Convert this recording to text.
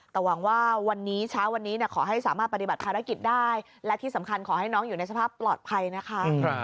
แต่หวังว่าวันนี้เช้าวันนี้ขอให้สามารถปฏิบัติภารกิจได้และที่สำคัญขอให้น้องอยู่ในสภาพปลอดภัยนะคะ